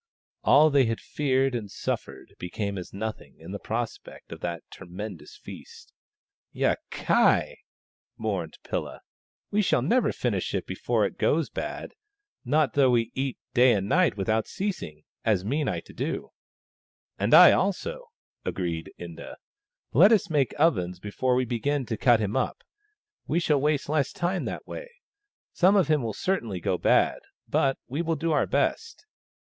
All they had feared and suffered became as nothing in the prospect of that tremendous feast. " Yakai !" mourned Pilla. " We shall never finish it all before it goes bad, not though we eat day and night without ceasing — as I mean to do." "And I also," agreed Inda. "Let us make ovens before we begin to cut him up — we shall waste less time that way. Some of him will cer tainly go bad, but we will do our best."